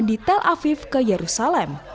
di tel aviv ke yerusalem